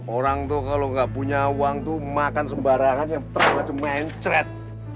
orang tuh kalau gak punya uang tuh makan sembarangan yang terlalu cemencret